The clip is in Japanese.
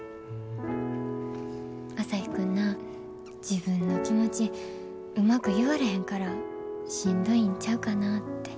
朝陽君な自分の気持ちうまく言われへんからしんどいんちゃうかなって。